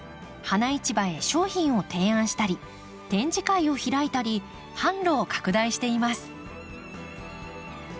花市場へ商品を提案したり展示会を開いたり販路を拡大しています。